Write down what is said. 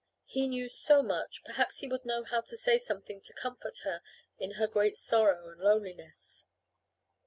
He knew so much, perhaps he would know how to say something to comfort her in her great sorrow and loneliness.